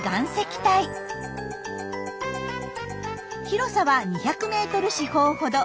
広さは２００ｍ四方ほど。